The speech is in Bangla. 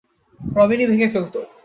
রবিন-ই ভেঙে ফেলতো।